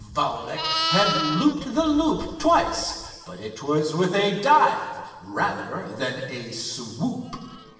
Valdec had looped the loop twice, but it was with a dive, rather than a swoop.